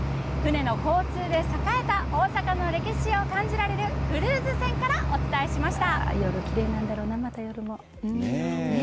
船の交通で栄えた大阪の歴史を感じられるクルーズ船からお伝えしました。